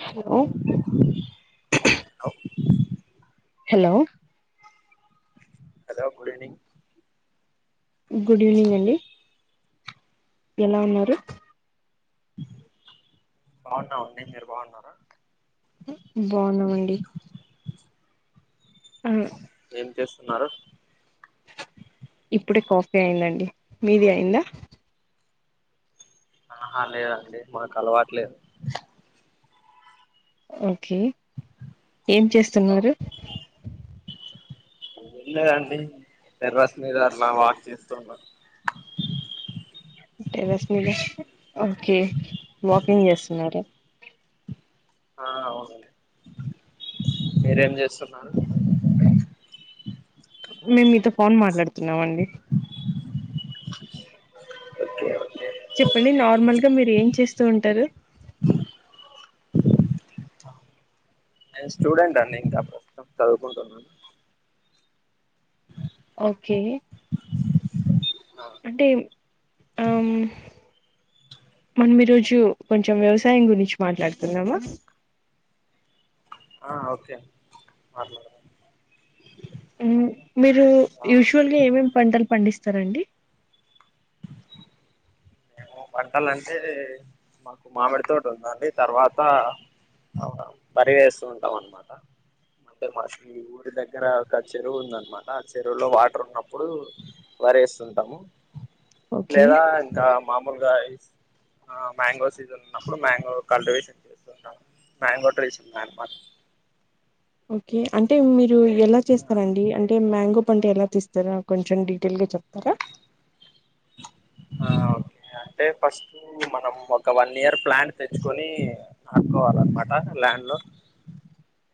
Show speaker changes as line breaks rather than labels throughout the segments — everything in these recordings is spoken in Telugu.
హలో
అవ్
hello
hello good evening
good evening అండి? ఎలా ఉన్నారు?
బావున్నావుండి మీరు బావున్నారా?
బావున్నామండి ఆ
ఏం చేస్తున్నారు?
ఇప్పుడే కాఫీ అయిందండి మీది అయిందా?
ఆహా లేదండి మాకు అలవాట్లేదు.
ఓకే ఏం చేస్తున్నారు?
లేదండి టెర్రస్ మీద అట్ల వాక్ చేస్తన్నా
టెర్రస్ మీద ఓకే వాకింగ్ చేస్తున్నార?
ఆ అవునుండి మీరేం చేస్తున్నారు?
మేము మీతో ఫోన్ మాట్లాడుతున్నామండి.
ఓకే ఓకే
చెప్పండి నార్మల్ గా మీరు ఏం చేస్తూ ఉంటారు?
నేను స్టూడెంట్ అండి ఇంకా ప్రస్తుతం చదువుకుంటున్నాను
ఓకే
అ
అంటే అమ్ మనం ఈ రోజు కొంచెం వ్యవసాయం గురించి మాట్లాడుతున్నామా?
ఓకే అండి మాట్లాడత
మ్ మీరు
ఆ
యూజువల్గా ఏమేమి పంటలు పండిస్తారండి?
పంటలంటే మాకు మామిడి తోటి ఉందండి తర్వాత వరి వేస్తు ఉంటాంనమాట. తే మాకి ఊరి దగ్గర ఒక చెరువు ఉందనమాట ఆ చెరువులో వాటర్ ఉన్నప్పుడు వరేస్తుంటాము
ఓకే
లేదా ఇంకా ములుగా ఐస్ మ్యాంగో సీజన్ ఉన్నప్పుడు మ్యాంగో కల్టివేషన్ చేస్త మ్యాంగో ట్రీస్ మ్యాన్ మార్క్
ఒక్కే అంటే మీరు ఎలా చేస్తారండి అంటే మ్యాంగో పంట ఎలా తీస్తారా కొంచెం డీటెయిల్ గా చెప్తారా
ఆ ఓకే
[inaudible]
అంటే ఫస్ట్ హు మనం ఒక వన్ ఇయర్ ప్లాన్ తెచ్చుకొని నాటుకోవాలన్నమా ల్యాండ్ లో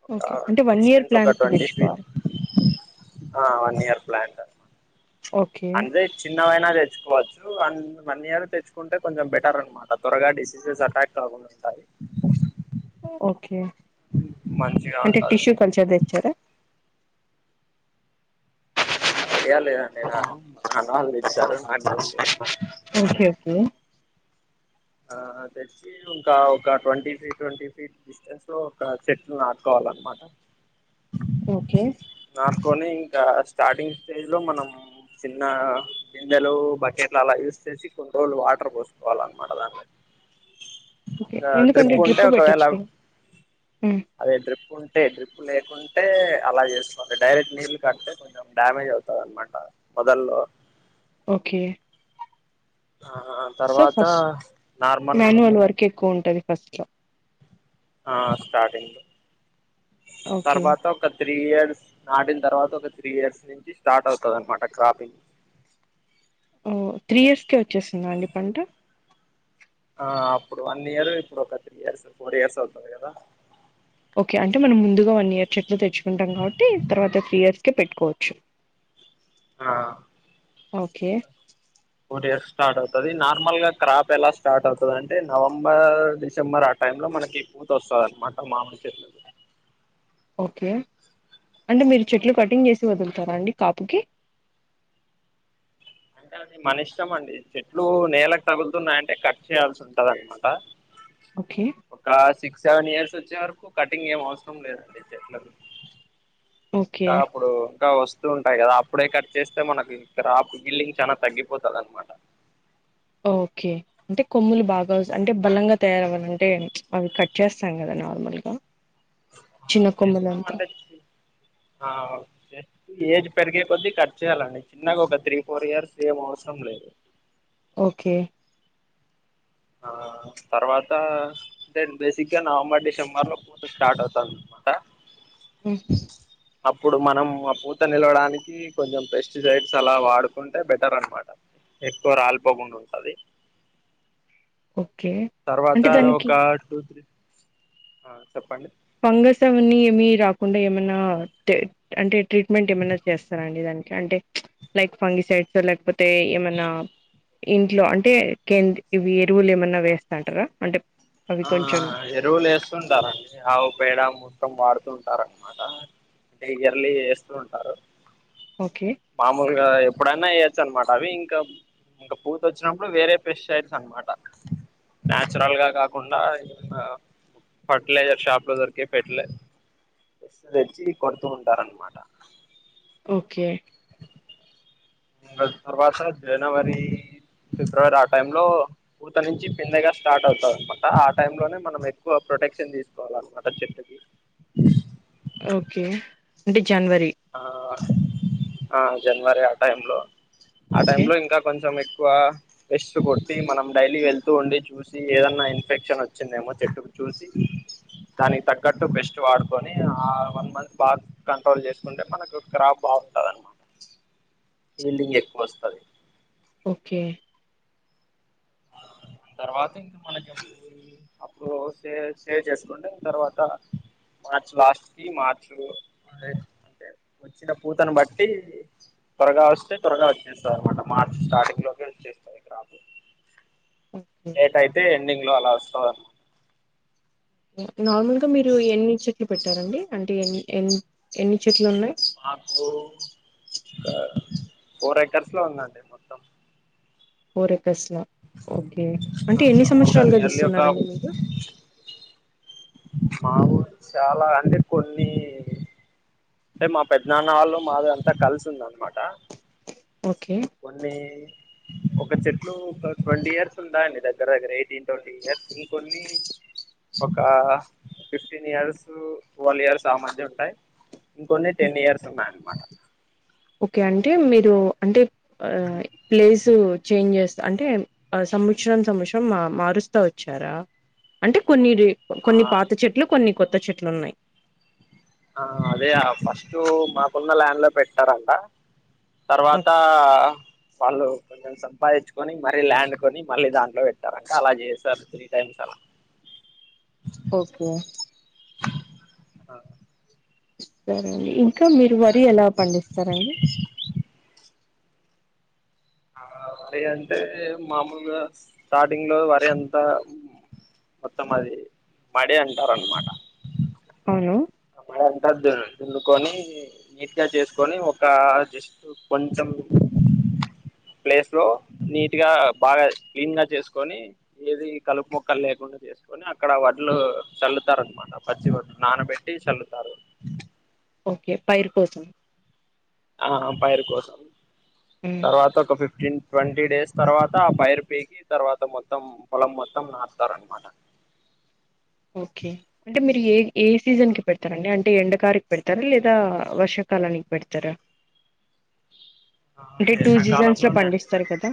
ఒక
ఓకే అంటే వన్ ఇయర్
డిస్టెన్స్ ఒక
ప్లాన్ట్
ట్వంటీ ఫీట్
తెచ్చికోవాలి
ఆ వన్ ఇయర్ ప్లాన్ట్
ఓకే
అంటే చిన్నవైనా తెచ్చుకోవచ్చు అనీ మనీయా తెచ్చుకుంటే కొంచెం బెటర్ మల్ల త్వరగా డిసీసెస్ అటాక్ కాకుండా చూస్తారు
ఓకే
మంచిగా
అంటే
ఉంటది
టిష్యూ కల్చర్ తెచ్చారా
అంత ఐడియా లేదండి నాకు మా నాన్న వాళ్ళు ఇచ్చారు నాకు తెల్దు
ఓకే వద్దు
ఆ తెలిసి ఇంకా ఒక twenty feet twenty feet place లో ఒక చెట్టులు నాటుకోవాలన్నమాట
ఓకే
నాటుకోని ఇంకా స్టార్టింగ్ స్టేజ్ లో మనం చిన్న బిందెలు బకెట్లు అలా యూస్ చేసి కొన్ని రోజులు వాటర్ పోసుకోవాల అంతే మన లాగానే
ఓకే. ఎందుకంటే
ట్రిప్
డ్రిప్
ఉంటే ఒకవేళ
పెట్టొచ్చు కదా హ్మ్.
అదే డ్రిప్ ఉంటే డ్రిప్ లేకుంటే అలా చేసుకోవాలి డైరెక్ట్ నీళ్లు కట్టతే డ్యామేజ్ అవుతంది అన్నమాట మొదల్లో
ఓకే
ఆ తర్వాత నార్మల్గా
కిక్కు ఎక్కువ ఉంటది ఫస్ట్ లో
ఆ స్టార్టింగ్
ఓకే
తర్వాత ఒక త్రీ ఇయర్స్ నాటిన తర్వాత ఒక త్రీ ఇయర్స్ నుంచి స్టార్ట్ అవుతంది అనమాట క్రాపింగ్
ఓ త్రీ ఇయర్స్క వచ్చేస్తుందా అండి పంట
ఆ అప్పుడు వన్ ఇయర్ ఇప్పుడు ఒక త్రీ ఇయర్స్ ఫోర్ ఇయర్స్ అవుతుంది కదా
ఓకే అంటే మనం ముందుగా వన్ ఇయర్ చెట్లు తెచ్చుకుంటాం కాబట్టి తర్వాత త్రీ ఇయర్స్ కే పెట్టుకోవచ్చు
ఆ
ఓకే
ఫోర్ ఇయర్స్ స్టార్ట్ అవుతది నార్మల్ గా క్రాప్ ఎలా స్టార్ట్ అవుతది అంటే నవంబర్ డిసెంబర్ అ టైమ్ లో మనకి పూత వస్తుంది అనమాట మామిడి చెట్టు
ఓకే అంటే మీరు చెట్లు
ఆ
కటింగ్ చేసి వదులుతారా అండి కాపుకి
అంటే అది మన ఇష్టంమండి చెట్లు నేలకు తగులుతున్నాయంటే కట్ చేయాల్సి ఉంటది అనమాట
ఓకే
ఒక సిక్స్ సెవెన్ ఇయర్స్ వచ్చే వరకు కటింగ్ ఏం అవసరం లేదండి చెట్లలకు
ఓకే
క అప్పుడు ఇక వస్తు వస్తు ఉంటాయి కదా అప్పుడే కట్ చేస్తే మనకి క్రాప్ గిల్లింగ్ చాలా తగ్గిపోతంది అనమాట
ఓకే అంటే కొమ్ములు బాగా అంటే బలంగా తయారవ్వాలంటే అవి కట్ చేస్తాం కదా నార్మల్గా చిన్న
చేస్తాం
కొమ్మలంతా
అంటే ఆహ్. ఏజ్ పెరిగే కొద్దీ కట్ చేయాలండి చిన్నగా ఒక త్రీ ఫోర్ ఇయర్స్ ఏం అవసరం లేదు.
ఓకే.
ఆహ్ తర్వాత. అంటే బేసిక్గా నవంబర్ డిసెంబర్ లో ఫుడ్ స్టార్ట్ అవుతది అనమాట.
ఉహు.
ఇప్పుడు మనం ఆ పూతను నిలవడానికి. కొంచం పెస్టిసైడ్స్ అలా వాడుకుంటే బెటర్ అనమాట ఎక్కువ రాలిపోగుండ ఉంటది.
ఓకే
తర్వాత
అంటే
ఒక
దానికి
టూ త్రీ డే ఆహ్ చెప్పండి.
ఫంగస్ అవన్నీ ఏమి రాకుండా ఏమన్నా టిప్. అంటే ట్రీట్మెంట్ ఏమైనా చేస్తారా అండి దానికి అంటే లైక్ ఫంగిసైడ్స్ లేకపోతే. తే ఏమన్నా ఇంట్లో అంటే కేంద్రి ఇవి ఎరువులు ఏమన్నా వేస్తాంటారా అంటే. అవి కొంచెం
ఆహ్ ఎరువులేస్తుంటారండి ఆవు పేడ మొత్తం వాడుతు ఉంటారు అనమాట ఇయర్లి ఎస్తూ ఉంటారు.
ఓకే.
మామూలుగా ఎప్పుడైనా ఎయొచ్చు అనమాట అవి ఇంకా ఇంక పూతా వచ్చినప్పుడు వేరే పెస్టిసైడ్స్ అనమాట. నాచురల్ గా కాకుండా ఇంకా. ఫర్టిలాయజర్ షాపులో దొరికే ఫెటలాయ ఒకసారి తెచ్చి కొడుతూ ఉంటారనమాట
ఓకే.
ఆ తర్వాత జనవరి ఫిబ్రవరి ఆ టైం లో ఊత నుంచి కిందగా స్టార్ట్ అవుతది అనమాట ఆ టైమ్ లోనే మనం ఎక్కువ ప్రొటెక్షన్ తీసుం చాల అనమాట చెట్టుకి.
ఓకే అంటే జనవరి.
ఆహ్ ఆహ్ జనవరి ఆ టైమ్ లో ఆ
ఓకే
టైమ్ లో ఇంకా. కొంచం ఎక్కువ రస్ట్ కొట్టి మనం డైలీ వెళ్తూ ఉండి చూసి చూసి ఏదన్నా ఇన్ఫెక్షన్ వచ్చిందేమో చెట్టుకు చూసి. దానికి తగ్గట్టు బెస్ట్ వాడుకొని ఆ వన్ మంత్ బాగా కంట్రోల్ చేసు. కుంటే మనకు క్రాప్ బాగుంటది అనమాట హీల్డింగ్ ఎక్కువ వస్తది.
ఓకే.
తర్వాత ఇంకా మనకి చెప్ప అప్పుడు సే సేవ్ చేసుకుంటే తర్వాత. మార్చు లాస్ట్ కి మార్చు లో అంటే వచ్చిన పూతను బట్టి త్వరగా వస్తే త్వరగా వచ్చేస్తాం అనమాట మార్చి స్టార్టింగ్ లోకి. చ్చే చేస్తాయి క రావు.
ఓకే
లేట్ అయితే ఎండింగ్ లో అలా వస్తది.
నార్మల్గా మీరు ఎన్ని చెట్లు పెట్టారండి అంటే ఎన్ ఎన్ ఎన్ని చెట్లు ఉన్నాయి.
మాకు ఆహ్ ఫోర్ ఏకర్స్ లో ఉందండి. మొత్తం
ఫోర్ ఎకర్స్ లో ఓకే అంటే ఎన్ని
ఒక నియర్లీ ఒక
సంవత్సరాలుగాదిస్తున్నారండి మీరు.
మామూలు చాలా అంటే కొన్ని. అంటే మా పెద్ద నాన్న వాళ్ళు మాది అంతా కలిసి ఉందనమాట.
ఓకే.
కొన్ని. ఒక చెట్లు ఒక ట్వంటీ ఇయర్స్ ఉంటాయండి దగ్గర దగ్గర ఎయిటీన్ ట్వంటీ ఇయర్స్ ఇంకొన్ని. ఒక ఫిఫ్టీన్ ఇయర్స్ వన్ ఇయర్స్ ఆ మధ్య ఉంటాయ్ ఇంకొన్ని టెన్ ఇయర్స్ ఉన్నాయి అనమాట
ఓకే అంటే మీరు అంటే ప్లేస్ చేంజ్ చేస్త అంటే ఆ సంమ్మక్షరం సంవత్సరం మారుస్తా వచ్చారా అంటే కొన్ని
ఆ
కొన్ని పాత చెట్లు కొన్ని కొత్త చెట్లు ఉన్నాయ్
ఆ అదే ఫస్ట్ మాకున్న ల్యాండ్లో పెట్టారంట తర్వాత వాళ్ళు కొంచెం సంపాదించుకొని మరీ ల్యాండ్ కొని మళ్లీ దాంట్లో పెట్టారు అలా చేసారు త్రీ టైమ్స్ అలా
ఓకే
ఆ
సరే అండి ఇంకా మీరు వరి ఎలా పండిస్తారండి
వరి అంటే మామూలుగా స్టార్టింగ్లో వరి అంతా మొత్తం అది మడి అంటారన్నమాట
అవును
అంతా దున్ దున్నుకొని నీట్గా జేసుకొని ఒక కొంచం ప్లేస్లో నీటిగా బాగా క్లీన్గా చేసుకొని ఏది కలుపు మొక్కలు లేకుండా వేసుకొని అక్కడ వడ్లు చల్లుతారు అనమాట పచ్చి వడ్లు నానబెట్టి చల్లుతారు
ఓకే పైరు కోసం
ఆ పైరు కోసం
ఆ
తర్వాత ఒక ఫిఫ్టీన్ ట్వంటీ డేస్ తర్వాత ఆ పైర్ పీకి తర్వాత మొత్తం పొలం మొత్తం నాటుతార అనమాట
ఓకే అంటే మీరు ఏ ఏ సీజన్కి పెడతారండి అంటే ఎండకారకి పెడతారా లేదా వర్షాకాలానికి పెడతరా
ఆ
అంటే టూ జీజన్స్ లో
ఎండాకాలంలోనే
పండిస్తారు కదా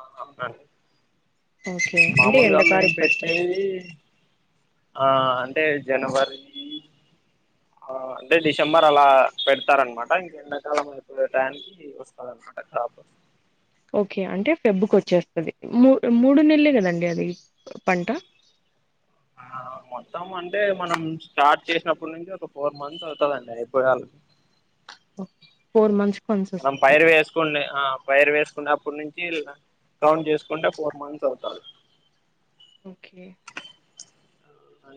అహ అండ్
ఓకే అంటే
మామూలుగా మేం
ఎండకారికి పెడతారు
పెట్టేది ఆ అంటే జనవరి ఆ అంటే డిసెంబర్ అలా పెడతారనమాట ఇంక ఎండ కాలం టనికి వస్తద అన్నమాట ఖరాబ్
ఓకే అంటే ఫెబ్బుకి వచ్చేస్తుంది మూ మూడు నెళ్లే కదండి అది పంట
ఆ మొత్తం అంటే మనం స్టార్ట్ చేసినప్పటి నుంచి ఒక ఫోర్ మంత్స్ అవుతదండి అయిపోయాలి
ఫోర్ మంత్స్ కొన్ వస్
మం పైర్ వేసుకునే ఆ పైర్ వేసుకున్నప్పటి నుంచి కౌంట్ చేసుకుంటే ఫోర్ మంత్స్ అవుతారు
ఓకే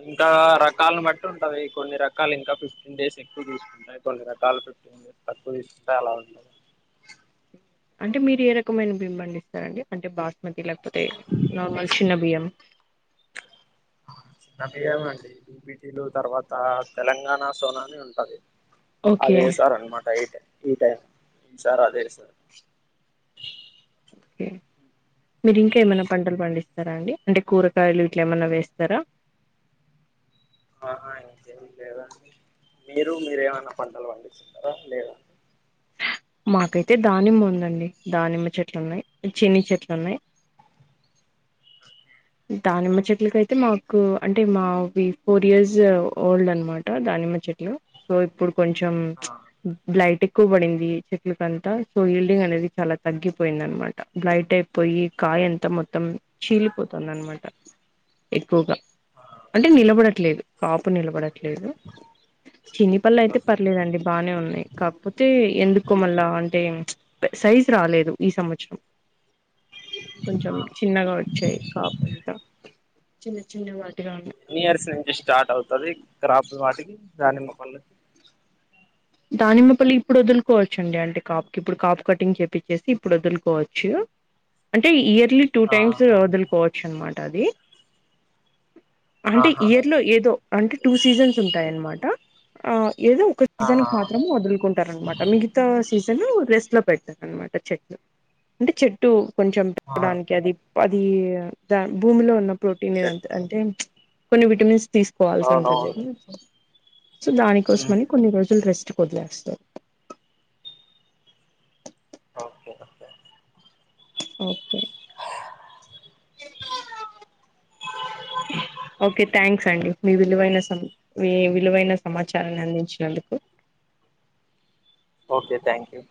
ఇంకా రకాలను బట్టి ఉంటాది కొన్ని రకాలు ఇంకా ఫిఫ్టీన్ డేస్ ఎక్కువ చూ అ కొన్ని రకాలు ఫిఫ్ టీన్ట్స్ తక్కువ తీసుంటే అలా ఉండదు
అంటే మీరు ఏ రకమైన బియ్యం పండిస్తారండి అంటే బాస్మతి లేకపోతే నార్మల్ చిన్న బియ్యం
చిన్న బియ్యమే అండి బిపిటీలు తర్వాత తెలంగాణ సోనాని ఉంటది
ఓకే
అదే సార్ అన్నమాట ఈ టై ఈ టైమ్ ఈ సార్ అదే సార్
ఓకే మీరు ఇంకా ఏమైనా పంటలు పండిస్తారా అండి అంటే కూరగాయలు ఇట్లా ఏమనా వేస్తారా
ఆహా ఇంకేం లేదా మీరు మీరేమైనా పంటలు పండిస్తున్నారా లేదా
మాకైతే దానిమ్మ ఉందండి. దానిమ్మ చెట్లు ఉన్నయ్, చీని చెట్లు ఉన్నయ్. దానిమ్మ చెట్లకయితే మాకూ అంటే మా ఫోర్ ఇయర్స్ ఓల్డ్ అన్న్ మా ట దానిమ్మ చెట్లు సో ఇప్పుడు కొంచెం
ఆ
బ్లైట్ ఎక్కువ బడిందీ చెట్లకంతా సో హీల్డింగ్ అనేది చాల తగ్గిపోయిందన్న మా ట బ్లైట్ అయిపోయి, కాయంత మొత్తం చీలి పోతుందన్నమాట. ఎక్కువగా
ఆ
అంటే, నిలబడట్లేదు, కాపు నిలబడట్లేదు. చిన్ని పళ్ళయితే
ఓకే.
పర్లేదండి బానే ఉన్నయి. కాకపోతే ఎందుకో మళ్ళా అంటే, సైజ్ రాలేదు ఈ సంవత్సరం. కొంచెం
ఆ
చిన్నగా వచ్చే కాపంతా చిన్న చిన్న వాటగాన్నా
న్యూ ఇయర్స్ నుంచి స్టార్ట్ అవుతది క్రాప్ వాటికి దానిమ్మ పళ్ళు
దానిమ్మ పళ్ళు ఇప్పుడు ఒదులుకోవచ్చు అండి. అంటే కాపుకి ఇప్పుడు కాపు కటింగ్ చేప్పిచ్చేసి ఇప్పుడు ఒదులుకోవచ్చు. అంటే ఇయర్లీ టూ టైమ్స్
ఆహా
ఒదులుకోవచ్చు అన్నమాట. అదీ అంటే,
ఆహా
ఇయర్లో ఏదో అంటే, టూ సీజన్స్ ఉంటాయన్నమాట. ఆ ఏదో ఒక సీజన్కు మాత్రం ఒదులుకుంటారన్నమాట్ మిగతా సీజన్ రెస్ట్ లో పెడతారు అన్నమాట చెట్లు అంటే చెట్టూ కొంచెం
ఆ ఆ
ఇవ్వడానికి అది అదీ దా భూమిలో ఉన్న ప్రోటీన్దంత అంటే కొన్ని విటమిన్స్ తీసుకోవాల్సి ఉంటుంది.
అవునవును
అపుడు వరకు సో దానికోసం అని కొన్ని రోజు ఈ రెస్ట్కొదిలేస్తారు.
ఓకే ఒక్కే
ఓకే ఎక్కడా? ఓకే థ్యాంక్స్ అండి. మీ విలువైన సమ మీ విలువైన సమాచారాన్ని అందించినందుకు
ఓకే థ్యాంక్ యూ